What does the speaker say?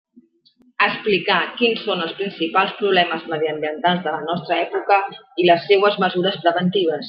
Explicar quins són els principals problemes mediambientals de la nostra època i les seues mesures preventives.